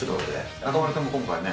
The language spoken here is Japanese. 中丸君も今回ね。